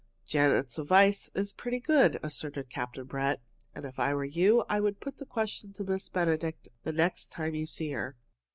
"Janet's advice is pretty good," asserted Captain Brett. "And if I were you, I'd put the question to Miss Benedict the next time you see her.